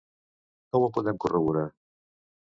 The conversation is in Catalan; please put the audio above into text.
Com ho podem corroborar?